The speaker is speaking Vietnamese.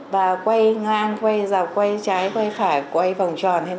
và quay ngang quay ra quay trái quay phải quay vòng tròn